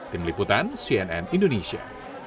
tim liputan cnn indonesia